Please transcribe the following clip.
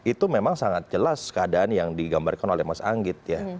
itu memang sangat jelas keadaan yang digambarkan oleh mas anggit ya